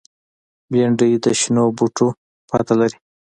بېنډۍ د شنو بوټو پته لري